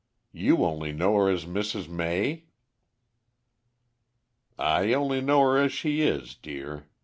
"You only know her as Mrs. May?" "I only know her as she is, dear.